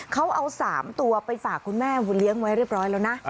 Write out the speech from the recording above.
เขาเอา๓ตัวไปฝากคุณแม่บุญเลี้ยงไว้เรียบร้อยแล้วนะ